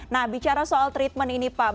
nah bicara soal treatment ini pak